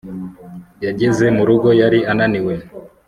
yageze mu rugo yari ananiwe